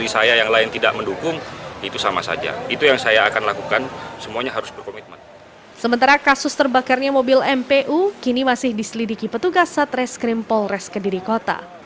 sementara kasus terbakarnya mobil mpu kini masih diselidiki petugas satreskrim polres kediri kota